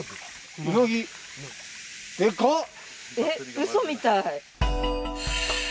うそみたい。